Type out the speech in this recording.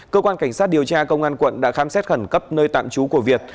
cơ quan cảnh sát điều tra công an quận đã khám xét khẩn cấp nơi tạm trú của việt